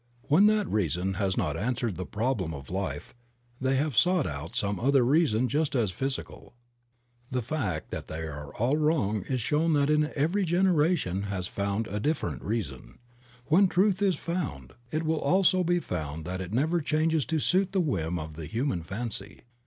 When that reason has not answered the problems of life they have sought out some other reason just as physical. The fact that they are all wrong is shown in that every generation has found a different reason. When truth is found it will also be found that it never changes to suit the whims of the human fancy.